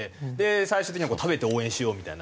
最終的には食べて応援しようみたいな。